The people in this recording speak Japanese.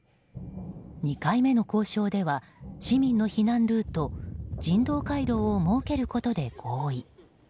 ２回目の交渉では市民の避難ルート、人道回廊を設けることで合意。